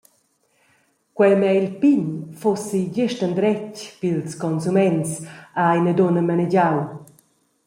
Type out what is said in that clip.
Quei meil pign fussi gest endretg pils consuments, ha ina dunna manegiau.